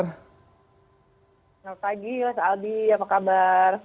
selamat pagi mas aldi apa kabar